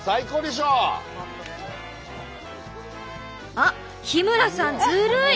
あっ日村さんずるい！